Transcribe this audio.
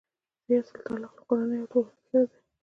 د دې اصل تعلق له کورنۍ او ټولنې سره دی.